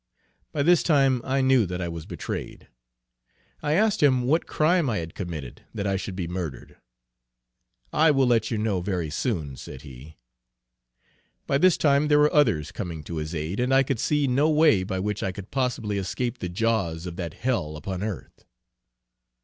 By this time I knew that I was betrayed. I asked him what crime I had committed that I should be murdered. "I will let you know, very soon," said he. By this time there were others coming to his aid, and I could see no way by which I could possibly escape the jaws of that hell upon earth.